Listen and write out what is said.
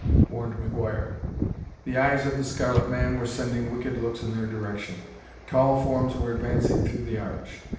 warned McGuire. The eyes of the scarlet man were sending wicked looks in their direction. Tall forms were advancing through the arch.